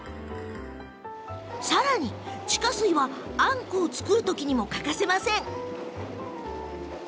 さらに地下水は、あんこを作るときにも欠かせません。